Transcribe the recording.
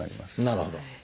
なるほど。